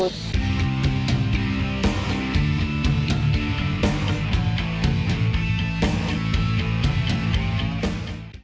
fakta atau hanya mitos